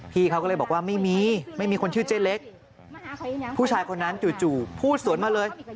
เขาก็เลยบอกว่าไม่มีไม่มีคนชื่อเจ๊เล็กผู้ชายคนนั้นจู่พูดสวนมาเลย